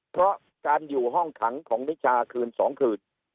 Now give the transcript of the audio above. เพราะการอยู่ห้องขังของนิชาคืน๒คืน